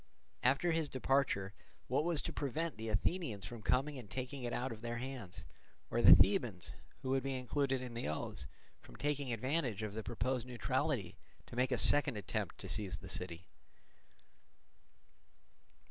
After his departure, what was to prevent the Athenians from coming and taking it out of their hands, or the Thebans, who would be included in the oaths, from taking advantage of the proposed neutrality to make a second attempt to seize the city?